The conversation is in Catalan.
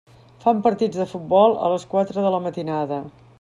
Fan partits de futbol a les quatre de la matinada.